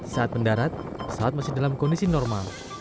saat mendarat pesawat masih dalam kondisi normal